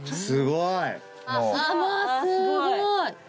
すごい！わすごい！